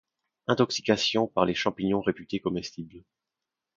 Intoxications par les champignons réputés comestibles.